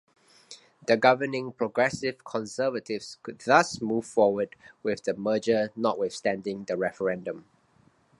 The governing Progressive Conservatives could thus move forward with the merger notwithstanding the referendum.